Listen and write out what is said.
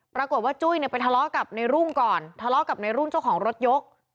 จุ้ยเนี่ยไปทะเลาะกับในรุ่งก่อนทะเลาะกับในรุ่งเจ้าของรถยก